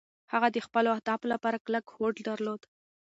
هغه د خپلو اهدافو لپاره کلک هوډ درلود.